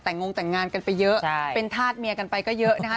แต่งงแต่งงานกันไปเยอะเป็นธาตุเมียกันไปก็เยอะนะคะ